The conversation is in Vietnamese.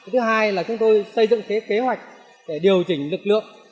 thứ hai là chúng tôi xây dựng kế hoạch để điều chỉnh lực lượng